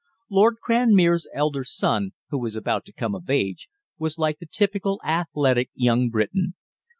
Lord Cranmere's elder son, who was about to come of age, was like the typical athletic young Briton.